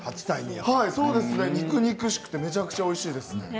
肉々しくてめちゃくちゃおいしいです。